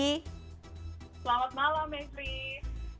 selamat malam mery